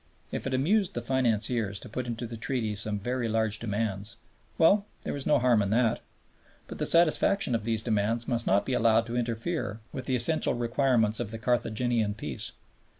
If it amused the financiers to put into the Treaty some very large demands, well there was no harm in that; but the satisfaction of these demands must not be allowed to interfere with the essential requirements of a Carthaginian Peace.